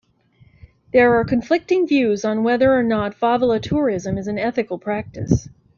There are conflicting views on whether or not favela tourism is an ethical practice.